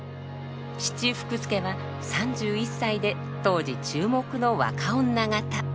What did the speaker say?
父福助は３１歳で当時注目の若女方。